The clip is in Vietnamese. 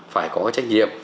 phải có cái trách nhiệm